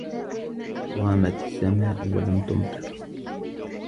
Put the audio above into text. غَامَتْ السَّمَاءُ وَلَمْ تُمْطِرْ.